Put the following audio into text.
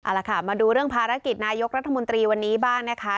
เอาละค่ะมาดูเรื่องภารกิจนายกรัฐมนตรีวันนี้บ้างนะคะ